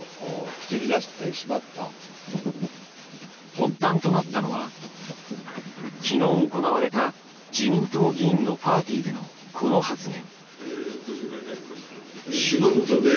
発端となったのは昨日行われた自民党議員のパーティーでのこの発言。